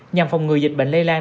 nhằm phòng ngừa dịch bệnh lây lan